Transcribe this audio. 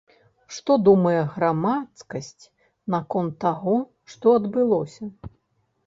Што думае грамадскасць наконт таго, што адбылося?